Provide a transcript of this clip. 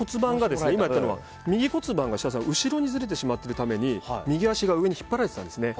右の骨盤が後ろにずれてしまっているために右足が上に引っ張られていたんですね。